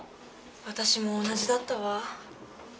私も同じだったわ。